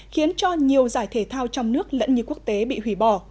khiến cho nhiều giải thể thao trong nước lẫn như quốc tế bị hủy bỏ